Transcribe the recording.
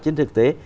trên thực tế